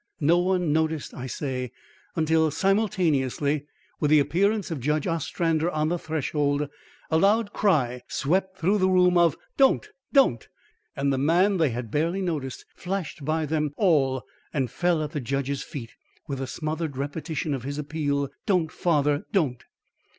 No one noticed, I say, until, simultaneously with the appearance of Judge Ostrander on the threshold, a loud cry swept through the room of "Don't! don't!" and the man they had barely noticed, flashed by them all, and fell at the judge's feet with a smothered repetition of his appeal: "Don't, father, don't!"